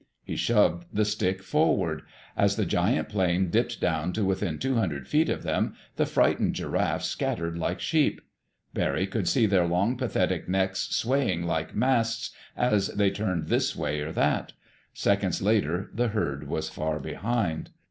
He shoved the stick forward. As the giant plane dipped down to within two hundred feet of them, the frightened giraffes scattered like sheep. Barry could see their long, pathetic necks swaying like masts as they turned this way or that. Seconds later the herd was far behind.